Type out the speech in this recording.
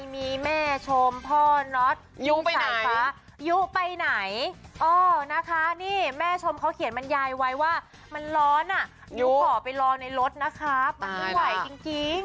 มันร้อนอ่ะยูขอไปรอในรถนะครับมันไม่ไหวจริงจริง